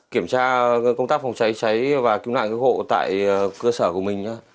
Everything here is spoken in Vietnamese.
kiểm tra công tác phòng cháy cháy và cứu nạn cơ hội tại cơ sở của mình